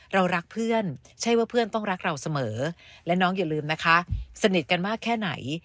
เรารักเพื่อนใช่ว่าเพื่อนต้องรักเราเสมอและน้องอย่าลืมนะคะสนิทกันมากแค่ไหน